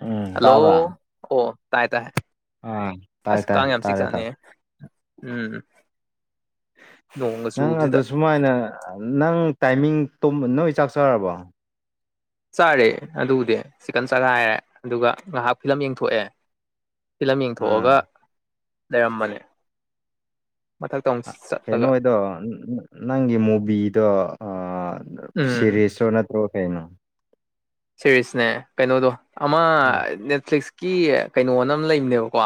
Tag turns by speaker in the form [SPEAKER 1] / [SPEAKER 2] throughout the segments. [SPEAKER 1] ꯎꯝ
[SPEAKER 2] hello
[SPEAKER 1] ꯇꯥꯕ꯭ꯔꯥ
[SPEAKER 2] ꯑꯣ ꯇꯥꯏ ꯇꯥꯏ
[SPEAKER 1] ꯑꯥ ꯇꯥꯏ
[SPEAKER 2] ꯑꯁ
[SPEAKER 1] ꯇꯥꯏ
[SPEAKER 2] ꯀꯥꯡ ꯌꯥꯝ ꯆꯤꯛ
[SPEAKER 1] ꯇꯥꯔꯦ ꯇꯥꯔꯦ
[SPEAKER 2] ꯆꯥꯅꯤꯍꯦ ꯎꯝ ꯅꯣꯡꯒ
[SPEAKER 1] ꯅꯪ
[SPEAKER 2] ꯆꯨꯕꯁꯤꯗ
[SPEAKER 1] ꯑꯗꯨ ꯁꯨꯃꯥꯏꯅ ꯅꯪ ꯇꯥꯏꯃꯤꯡ ꯇꯨꯝ ꯅꯣꯏ ꯆꯥꯛꯆꯔꯕꯣ
[SPEAKER 2] ꯆꯥꯔꯦ ꯑꯗꯨꯕꯨꯗꯤ ꯆꯤꯛꯀꯟ ꯆꯒꯥꯏꯔꯦ ꯑꯗꯨꯒ ꯉꯥꯏꯍꯥꯛ ꯐꯤꯂꯝ ꯌꯦꯡꯊꯣꯛꯑꯦ ꯐꯤꯂꯝ ꯌꯦꯡꯊꯣꯛꯑꯒ
[SPEAKER 1] ꯑꯥ
[SPEAKER 2] ꯂꯩꯔꯝꯕꯅꯦ ꯃꯊꯛꯇ ꯑꯃꯨꯛ ꯆꯠꯂꯒ
[SPEAKER 1] ꯀꯩꯅꯣꯗꯣ ꯅꯪꯒꯤ ꯃꯨꯚꯗꯣ
[SPEAKER 2] ꯎꯝ
[SPEAKER 1] ꯁꯤꯔꯤꯁ ꯔꯣ ꯅꯠꯇ꯭ꯔꯣ ꯀꯩꯅꯣ
[SPEAKER 2] ꯁꯦꯔꯤꯁꯅꯦ ꯀꯩꯅꯣꯗꯣ ꯑꯃ ꯅꯦꯠꯐꯂꯤꯛꯁ ꯀꯤ ꯀꯩꯅꯣꯅ ꯑꯃ ꯂꯩꯕꯅꯦꯕꯀꯣ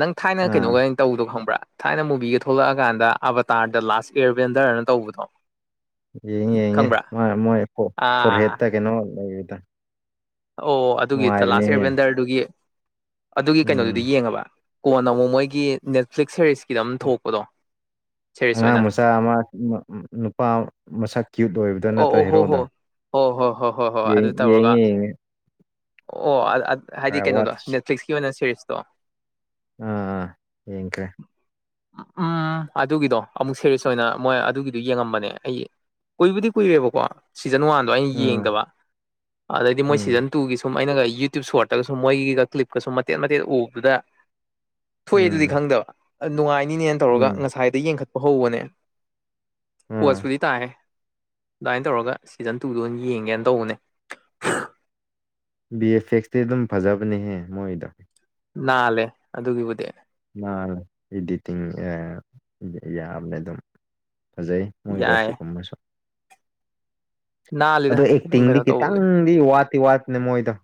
[SPEAKER 2] ꯅꯪ ꯊꯥꯏꯅ
[SPEAKER 1] ꯑꯥ
[SPEAKER 2] ꯀꯩꯅꯣꯒ ꯇꯧꯗꯣ ꯈꯪꯕ꯭ꯔꯥ ꯊꯥꯏꯅ ꯃꯨꯕꯤꯒ ꯊꯣꯛꯂꯛꯑꯀꯥꯟꯗ ꯑꯕꯇꯥꯔ ꯗ ꯂꯥꯁ ꯑꯦꯚꯦꯟꯗꯔꯅ ꯇꯧꯕꯗꯣ
[SPEAKER 1] ꯌꯦꯡꯉꯦ ꯌꯦꯡꯉꯦ
[SPEAKER 2] ꯈꯪꯕ꯭ꯔꯥ
[SPEAKER 1] ꯃꯣꯏ
[SPEAKER 2] ꯑꯥ
[SPEAKER 1] ꯐꯣꯔꯍꯦꯠꯇ ꯀꯩꯅꯣ ꯂꯩꯕꯗꯣ
[SPEAKER 2] ꯑꯣ ꯑꯗꯨꯒꯤ ꯗ ꯂꯥꯁ ꯏꯚꯦꯟꯗꯔꯗꯨꯒꯤ ꯑꯗꯨꯒꯤ ꯀꯩꯅꯣꯗꯨꯗꯤ
[SPEAKER 1] ꯎꯝ
[SPEAKER 2] ꯌꯦꯡꯉꯕ ꯀꯣꯟꯅ ꯑꯃꯨꯛ ꯃꯣꯏꯒꯤ ꯅꯦꯠꯐ꯭ꯂꯤꯛꯁ ꯁꯦꯔꯤꯁꯀꯤꯗ ꯑꯃ ꯊꯣꯛꯄꯗꯣ ꯁꯦꯔꯤꯁ ꯑꯣꯏꯅ
[SPEAKER 1] ꯆꯥ ꯑꯃ ꯅꯨꯄꯥ ꯃꯁꯛ ꯀ꯭ꯌꯨꯠ ꯑꯣꯏꯕꯗ ꯅꯠꯇ꯭ꯔꯥ
[SPEAKER 2] ꯑꯣ ꯑꯣ ꯍꯣ ꯍꯣ
[SPEAKER 1] ꯍꯦꯔꯣꯗ
[SPEAKER 2] ꯍꯣ ꯍꯣ ꯍꯣ ꯍꯣ ꯍꯣ ꯑꯗꯨ
[SPEAKER 1] ꯌꯦꯡꯉꯤ
[SPEAKER 2] ꯇꯧꯔꯒ
[SPEAKER 1] ꯌꯦꯡꯉꯦ
[SPEAKER 2] ꯑꯣ ꯑꯣ ꯍꯥꯏꯗꯤ ꯀꯩꯅꯣꯗꯣ
[SPEAKER 1] ꯋꯥꯠꯁ
[SPEAKER 2] ꯅꯦꯠꯐ꯭ꯂꯤꯛꯁꯀꯤ ꯑꯣꯏꯅ ꯁꯦꯔꯤꯁꯇꯣ
[SPEAKER 1] ꯑꯥ ꯑꯥ ꯌꯦꯡꯈ꯭ꯔꯦ
[SPEAKER 2] ꯎꯝ ꯑꯗꯨꯒꯤꯗꯣ ꯑꯃꯨꯛ ꯁꯦꯔꯤꯌꯁ ꯑꯣꯏꯅ ꯃꯣꯏ ꯑꯗꯨꯒꯤꯗꯣ ꯌꯦꯡꯉꯝꯕꯅꯦ ꯑꯩ ꯀꯨꯏꯕꯨꯗꯤ ꯀꯨꯏꯔꯦꯕꯀꯣ ꯁꯤꯖꯟ ꯋꯥꯟꯗꯣ ꯑꯩꯅ
[SPEAKER 1] ꯎꯝ
[SPEAKER 2] ꯌꯦꯡꯗꯕ ꯑꯗꯩꯗꯤ ꯃꯣꯏ
[SPEAKER 1] ꯎꯝ
[SPEAKER 2] ꯁꯤꯖꯟ ꯇꯨꯒꯤ ꯁꯨꯝ ꯑꯩꯅꯒ ꯌꯨꯇ꯭ꯌꯨꯕ ꯁꯣꯔꯠꯇꯒꯁꯨ ꯃꯣꯏꯒꯤꯒ ꯀ꯭ꯂꯤꯞꯀꯁꯨ ꯃꯇꯦꯠ ꯃꯇꯦꯠ ꯎꯕꯗꯨꯗ ꯊꯣꯛꯑꯦ ꯑꯗꯨꯗꯤ
[SPEAKER 1] ꯎꯝ
[SPEAKER 2] ꯈꯪꯗꯕ ꯅꯨꯡꯉꯥꯏꯅꯤꯅꯦꯅ ꯇꯧꯔꯒ
[SPEAKER 1] ꯎꯝ
[SPEAKER 2] ꯉꯁꯥꯏꯗ ꯌꯦꯡꯈꯠꯄ ꯍꯧꯕꯅꯦ
[SPEAKER 1] ꯎꯝ
[SPEAKER 2] ꯄꯣꯁꯄꯨꯗꯤ ꯇꯥꯏꯑꯦ ꯑꯗꯨꯃꯥꯏꯅ ꯇꯧꯔꯒ ꯁꯤꯖꯟ ꯇꯨꯗ ꯑꯣꯏꯅ ꯌꯦꯡꯒꯦꯅ ꯇꯧꯕꯅꯦ
[SPEAKER 1] ꯕꯤ ꯑꯦꯐ ꯑꯦꯛꯁꯇꯤ ꯑꯗꯨꯝ ꯐꯖꯕꯅꯦꯍꯦ ꯃꯣꯏꯗ
[SPEAKER 2] ꯅꯥꯜꯂꯦ ꯑꯗꯨꯒꯤꯕꯨꯗꯤ
[SPEAKER 1] ꯅꯥꯜꯂꯦ ꯏꯗꯤꯇꯤꯡ ꯌꯥꯕꯅꯦ ꯑꯗꯨꯝ ꯐꯖꯩ ꯃꯣꯏ ꯒ꯭ꯔꯥꯐꯤ
[SPEAKER 2] ꯌꯥꯏ
[SPEAKER 1] ꯀꯨꯝꯕꯁꯨ
[SPEAKER 2] ꯅꯥꯜꯂꯤꯗ
[SPEAKER 1] ꯑꯗꯣ
[SPEAKER 2] ꯑꯗꯨꯝ
[SPEAKER 1] ꯑꯦꯛꯇꯤꯡꯗꯤ
[SPEAKER 2] ꯀꯩꯅꯣ ꯇꯧꯕꯒꯤ
[SPEAKER 1] ꯈꯤꯇꯪꯗꯤ ꯋꯥꯠꯇꯤ ꯋꯥꯠꯇꯅꯦ ꯃꯣꯏꯗꯣ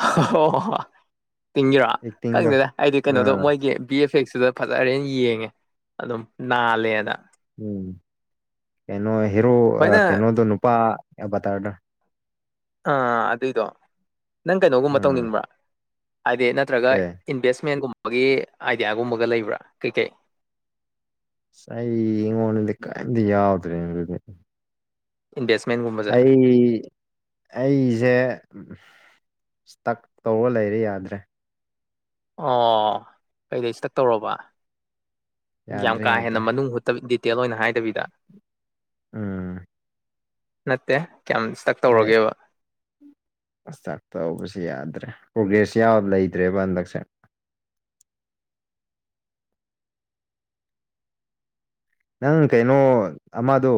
[SPEAKER 2] ꯍ ꯍꯣ ꯍꯣ ꯍꯣ ꯇꯤꯡꯒꯤꯔꯣ
[SPEAKER 1] ꯑꯦꯛꯇꯤꯡꯗꯣ
[SPEAKER 2] ꯈꯪꯗꯦꯗ ꯑꯩꯗꯤ ꯀꯩꯅꯣꯗꯣ
[SPEAKER 1] ꯑꯥ
[SPEAKER 2] ꯃꯣꯏꯒꯤ ꯕꯤ ꯑꯦꯐ ꯑꯦꯛꯁꯤꯗ ꯐꯖꯔꯦꯅ ꯌꯦꯡꯉꯦ ꯑꯗꯨꯝ ꯅꯥꯜꯂꯦꯅ
[SPEAKER 1] ꯎꯝ ꯀꯩꯅꯣ ꯍꯦꯔꯣ
[SPEAKER 2] ꯚꯥꯏ ꯅꯪ
[SPEAKER 1] ꯀꯩꯅꯣꯗ ꯅꯨꯄꯥ ꯑꯕꯇꯥꯔꯗꯣ
[SPEAKER 2] ꯑꯥ ꯑꯗꯨꯏꯗꯣ ꯅꯪ ꯀꯩꯅꯣꯒꯨꯝꯕ
[SPEAKER 1] ꯎꯝ
[SPEAKER 2] ꯇꯧꯅꯤꯡꯕ꯭ꯔꯥ ꯍꯥꯏꯗꯤ ꯅꯠꯇ꯭ꯔꯒ
[SPEAKER 1] ꯑꯦ
[SPEAKER 2] ꯏꯟꯚꯦꯁꯃꯦꯟꯒꯨꯝꯕꯒꯤ ꯑꯥꯏꯗꯤꯌꯥꯒꯨꯝꯕꯒ ꯂꯩꯕ꯭ꯔꯥ ꯀꯩꯀꯩ
[SPEAKER 1] ꯑꯩ ꯉꯣꯟꯗꯗꯤ ꯀꯔꯤꯝꯇ ꯌꯥꯎꯗ꯭ꯔꯦꯅꯦ ꯑꯗꯨꯗꯤ
[SPEAKER 2] ꯏꯟꯕꯦꯁꯃꯦꯟꯒꯨꯝꯕ
[SPEAKER 1] ꯑꯩ ꯑꯩꯖꯦ ꯁꯇꯛ ꯇꯧꯔ ꯂꯩꯔꯦ ꯌꯥꯗ꯭ꯔꯦ
[SPEAKER 2] ꯑꯣ ꯀꯩꯗꯩ ꯏꯁꯇꯛ ꯇꯧꯔꯕ ꯌꯥꯝ
[SPEAKER 1] ꯌꯥꯗ꯭ꯔꯦ
[SPEAKER 2] ꯀꯥ ꯍꯦꯟꯅ
[SPEAKER 1] ꯌꯥꯗ꯭ꯔꯦ
[SPEAKER 2] ꯃꯅꯨꯡ ꯍꯨꯠ ꯗꯤꯇꯦꯜ ꯑꯣꯏꯅ ꯍꯥꯏꯗꯕꯤꯗ
[SPEAKER 1] ꯎꯝ
[SPEAKER 2] ꯅꯠꯇꯦ ꯀꯌꯥꯝ ꯏꯁꯇꯛ ꯇꯧꯔꯒꯦꯕ
[SPEAKER 1] ꯁꯇꯛ ꯇꯧꯕꯁꯦ ꯌꯥꯗ꯭ꯔꯦ ꯄ꯭ꯔꯣꯒ꯭ꯔꯦꯁ ꯌꯥꯝ ꯂꯩꯇ꯭ꯔꯦꯕ ꯍꯟꯗꯛꯁꯦ ꯅꯪ ꯀꯩꯅꯣ ꯑꯃꯗꯣ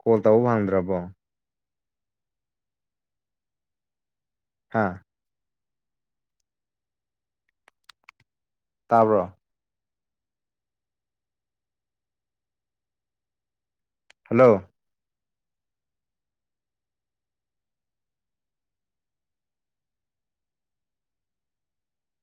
[SPEAKER 1] ꯀꯣꯜ ꯇꯧꯕ ꯐꯪꯗ꯭ꯔꯕꯣ ꯍꯥꯥ ꯇꯥꯕ꯭ꯔꯣ ꯍꯜꯂꯣ